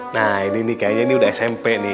nah ini nih kayaknya ini udah smp nih